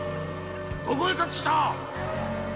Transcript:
どこへ隠したっ⁉〕